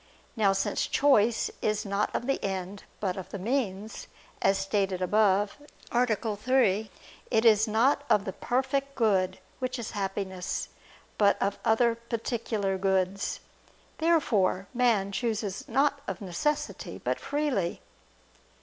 Now since choice is not of the end, but of the means, as stated above (A. 3); it is not of the perfect good, which is Happiness, but of other particular goods. Therefore man chooses not of necessity, but freely.